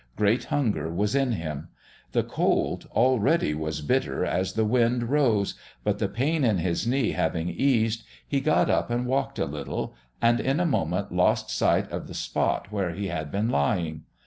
Great hunger was in him. The cold already was bitter as the wind rose, but the pain in his knee having eased, he got up and walked a little and in a moment lost sight of the spot where he had been lying.